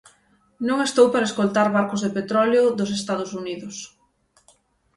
Non estou para escoltar barcos de petróleo dos Estados Unidos.